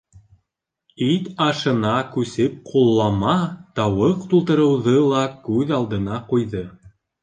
Ит ашына күсеп ҡуллама, тауыҡ тултырыуҙы ла күҙ алдына ҡуйҙы.